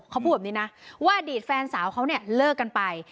เขาพูดแบบนี้นะว่าอดีตแฟนสาวเขาเนี่ยเลิกกันไป